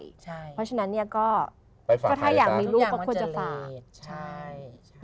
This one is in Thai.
เพราะฉะนั้นเนี่ยก็ถ้าอยากมีลูกก็ควรจะฝากใช่